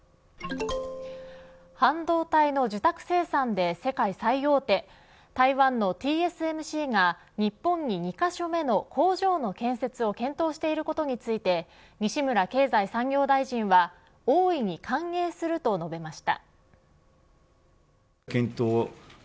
半導体の受託生産で世界最大手台湾のＴＳＭＣが日本に２カ所目の工場の建設を検討していることについて西村経済産業大臣は大いに歓迎すると述べました。